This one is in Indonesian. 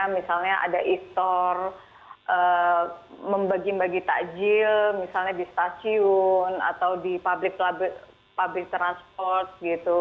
misalnya ada istor membagi bagi takjil misalnya di stasiun atau di public transport gitu